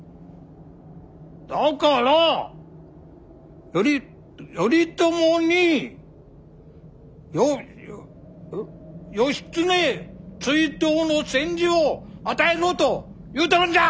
だからより頼朝によっうっ義経追討の宣旨を与えろと言うとるんじゃ！